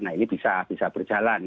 nah ini bisa berjalan